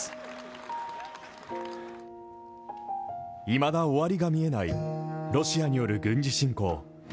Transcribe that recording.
いまだ終わりが見えないロシアによる軍事侵攻。